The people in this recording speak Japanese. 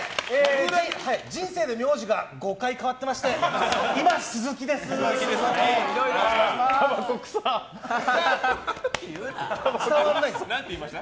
人生で名字が５回変わってまして今鈴木です、どうも。